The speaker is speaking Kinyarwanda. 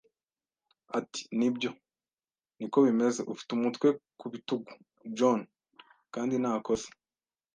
Ati: “Nibyo, ni ko bimeze.” “Ufite umutwe ku bitugu, John, kandi nta kosa.